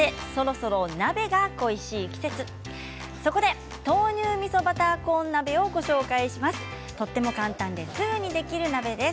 そこで豆乳みそバターコーン鍋をご紹介します。